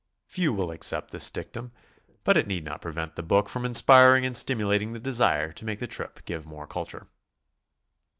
Few will accept this dictum, but it need not prevent the book from inspiring and stimulating the desire to make the trip give more culture.